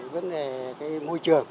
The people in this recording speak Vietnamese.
vấn đề cái môi trường